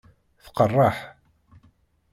Tqeṛṛeḥ!